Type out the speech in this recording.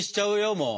もう。